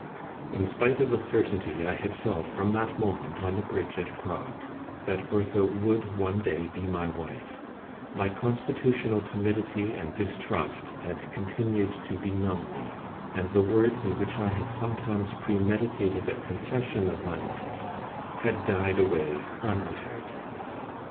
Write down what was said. In spite of the certainty I had felt from that moment on the bridge at Prague, that Bertha would one day be my wife, my constitutional timidity and distrust had continued to benumb me, and the words in which I had sometimes premeditated a confession of my love, had died away unuttered.